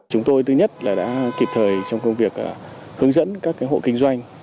chúng tôi thứ nhất là đã kịp thời trong công việc hướng dẫn các hộ kinh doanh